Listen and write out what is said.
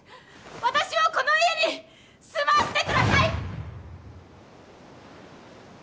私をこの家に住まわせてください！